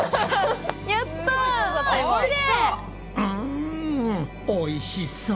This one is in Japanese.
うんおいしそう！